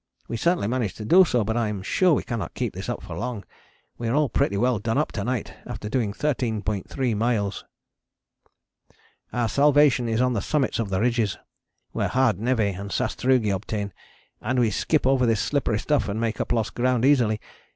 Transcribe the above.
We certainly manage to do so, but I am sure we cannot keep this up for long. We are all pretty well done up to night after doing 13.3 miles. Our salvation is on the summits of the ridges, where hard névé and sastrugi obtain, and we skip over this slippery stuff and make up lost ground easily.